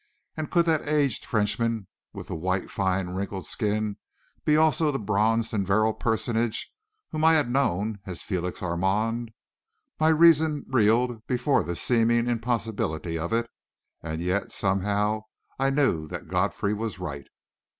And could that aged Frenchman with the white, fine, wrinkled skin be also the bronzed and virile personage whom I had known as Félix Armand? My reason reeled before the seeming impossibility of it and yet, somehow, I knew that Godfrey was right!